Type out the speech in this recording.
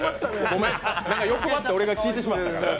ごめん、欲張って俺が聞いてしまったから。